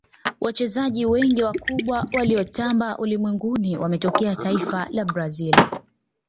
wachezaji wengi wakubwa waliotamba ulimwenguni wametokea taifa la brazil